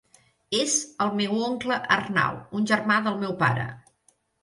És el meu oncle Arnau, un germà del meu pare.